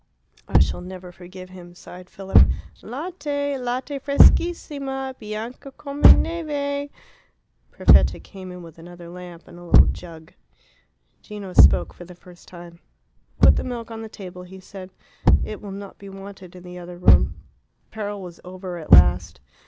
"I shall never forgive him," sighed Philip. "Latte! latte freschissima! bianca come neve!" Perfetta came in with another lamp and a little jug. Gino spoke for the first time. "Put the milk on the table," he said. "It will not be wanted in the other room." The peril was over at last.